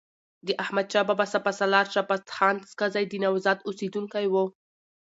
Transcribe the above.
د احمدشاه بابا سپه سالارشاه پسندخان ساکزی د نوزاد اوسیدونکی وو.